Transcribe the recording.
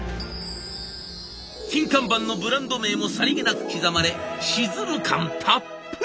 金看板のブランド名もさりげなく刻まれシズル感たっぷり！